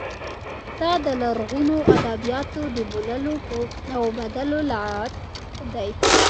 دا د لرغونو ادبیاتو د بوللو او بدلو لغت دی.